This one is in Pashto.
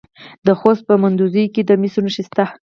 د خوست په مندوزیو کې د مسو نښې شته.